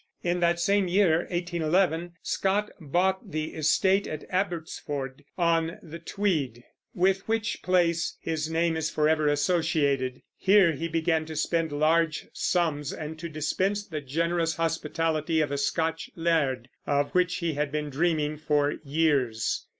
In that same year, 1811, Scott bought the estate of Abbotsford, on the Tweed, with which place his name is forever associated. Here he began to spend large sums, and to dispense the generous hospitality of a Scotch laird, of which he had been dreaming for years.